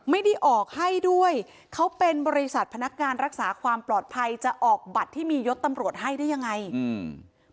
ไม่ได้ออกให้ด้วยเขาเป็นบริษัทพนักงานรักษาความปลอดภัยจะออกบัตรที่มียศตำรวจให้ได้ยังไงอืม